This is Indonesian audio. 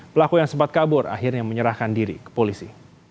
pelaku yang sempat kabur akhirnya menyerahkan diri ke polisi